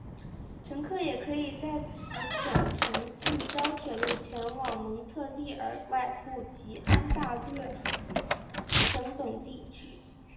乘客也可以在此转乘近郊铁路前往蒙特利尔外部及安大略省等地区。